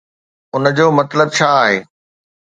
ان جو مطلب ڇا آهي؟